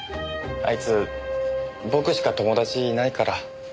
あいつ僕しか友達いないから。